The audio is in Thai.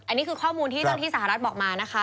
อันนี้คือข้อมูลที่เจ้าหน้าที่สหรัฐบอกมานะคะ